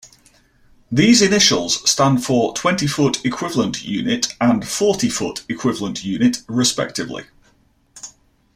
These initials stand for "twenty-foot equivalent unit," and "forty-foot equivalent unit," respectively.